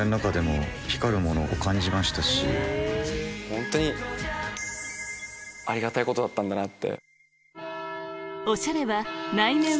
本当にありがたいことだったんだなって。